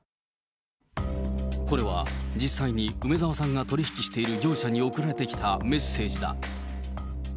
これは実際に梅澤さんが取り引きしている業者に送られてきたメッセージだ。